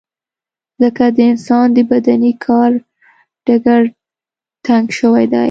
ځکه د انسان د بدني کار ډګر تنګ شوی دی.